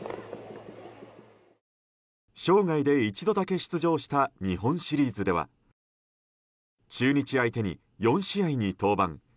生涯で一度だけ出場した日本シリーズでは中日相手に、４試合に登板。